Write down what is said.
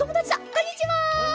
こんにちは！